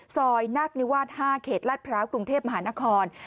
ซอยนักนิวาส๕เขตลาดพร้าวกรุงเทพมหานคร